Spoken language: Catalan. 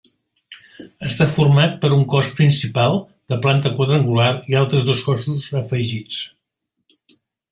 Està format per un cos principal de planta quadrangular i altres dos cossos afegits.